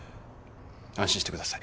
安心してください。